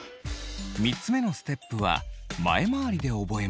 ３つ目のステップは前回りで覚えます。